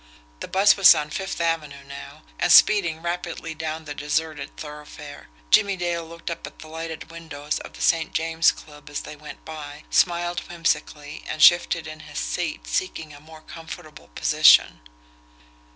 The bus was on Fifth Avenue now, and speeding rapidly down the deserted thoroughfare. Jimmie Dale looked up at the lighted windows of the St. James Club as they went by, smiled whimsically, and shifted in his seat, seeking a more comfortable position.